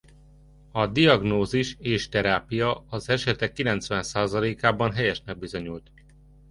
A diagnózis és terápia az esetek kilencven százalékában helyesnek bizonyult.